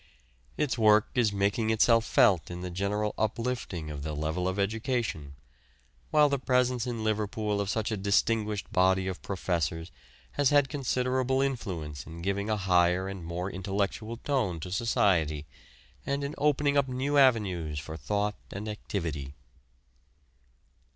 Its work is making itself felt in the general uplifting of the level of education, while the presence in Liverpool of such a distinguished body of professors has had considerable influence in giving a higher and more intellectual tone to society, and in opening up new avenues for thought and activity.